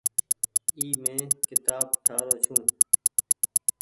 اي مين ڪيتآب ٺآ رو ڇي۔